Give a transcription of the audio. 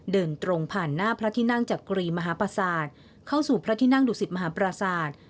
เดินตรงผ่านหน้าพระที่นั่งจักรีมหาประสาทเข้าสู่พระที่นั่งดุสิตมหาปราศาสตร์